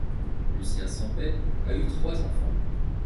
Lucien Sampaix a eu trois enfants.